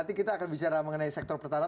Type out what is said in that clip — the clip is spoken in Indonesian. nanti kita akan bicara mengenai sektor pertahanan